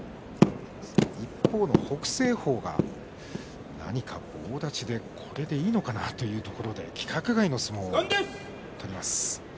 一方の北青鵬が何か棒立ちでこれでいいのかなというところで規格外の相撲を取ります。